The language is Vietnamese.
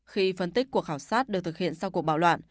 khi phân tích cuộc khảo sát được thực hiện sau cuộc bạo loạn